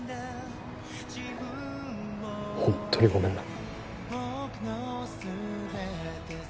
本当にごめんな。